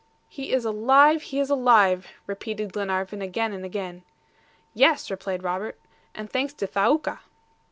"He is alive, he is alive," repeated Glenarvan again and again. "Yes," replied Robert; "and thanks to Thaouka."